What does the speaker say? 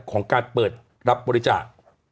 ของการเปิดรับบริจาค